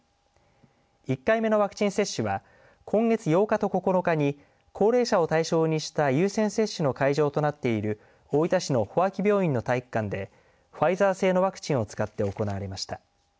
１回目のワクチン接種は今月８日と９日に高齢者を対象にした優先接種の会場となっている大分市の帆秋病院の体育館でファイザー製のワクチンを使って行われました。